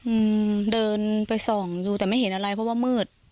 อืมเดินไปส่องอยู่แต่ไม่เห็นอะไรเพราะว่ามืด